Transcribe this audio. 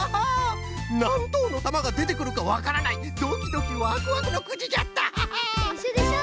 なんとうのたまがでてくるかわからないドキドキワクワクのくじじゃった！でしょでしょ？